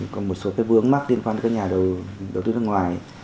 có một số vướng mắc liên quan đến các nhà đầu tư nước ngoài